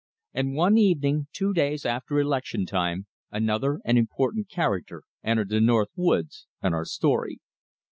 And one evening, two days after election time, another and important character entered the North woods and our story.